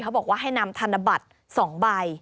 บอกว่าให้นำธนบัตร๒ใบ